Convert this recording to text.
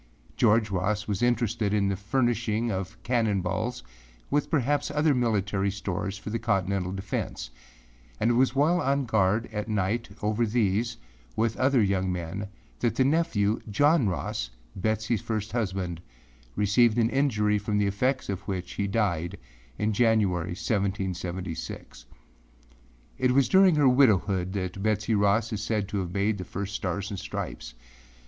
George Ross was interested in the furnishing of cannon balls, with perhaps other military stores for the Colonial defence, and it was while on guard at night over these, with other young men, that the nephew, John Ross, Betseyâs first husband, received an injury from the effects of which he died in January, 1776. It was during her widowhood that Betsey Ross is said to have made the first Stars and Stripes.